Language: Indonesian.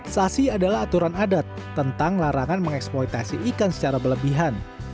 sasi adalah aturan adat tentang larangan mengeksploitasi ikan secara berlebihan